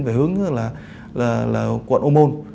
về hướng là quận âu môn